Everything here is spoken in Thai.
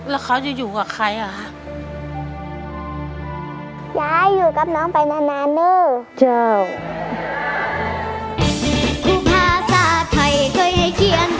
แล้วเขาจะอยู่กับใครอ่ะคะ